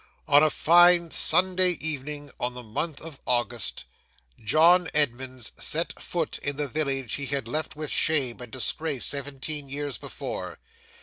'On a fine Sunday evening, in the month of August, John Edmunds set foot in the village he had left with shame and disgrace seventeen years before.